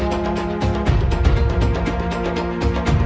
ไปสอบเข้าโรงเรียน